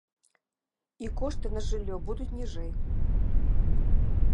І кошты на жыллё будуць ніжэй.